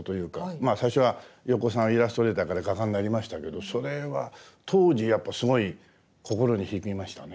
まあ最初は横尾さんはイラストレーターから画家になりましたけどそれは当時やっぱすごい心に響きましたね。